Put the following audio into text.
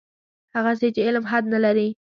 هغسې چې علم حد نه لري.